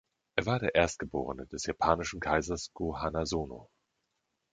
Er war der Erstgeborene des japanischen Kaisers Go-Hanazono.